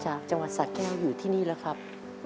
จากจังหวัดสะแก้วอยู่ที่นี่แล้วครับ